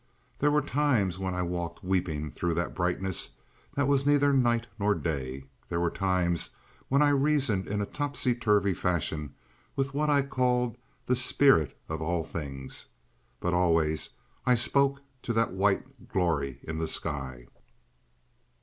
There were times when I walked weeping through that brightness that was neither night nor day. There were times when I reasoned in a topsy turvy fashion with what I called the Spirit of All Things. But always I spoke to that white glory in the sky.